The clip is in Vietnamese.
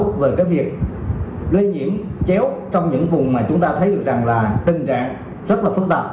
đảm bảo về cái việc lây nhiễm chéo trong những vùng mà chúng ta thấy được rằng là tình trạng rất là phân tạp